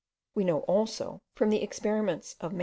We know also, from the experiments of MM.